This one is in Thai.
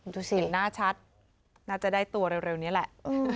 ดูสิเห็นหน้าชัดน่าจะได้ตัวเร็วนี้แหละ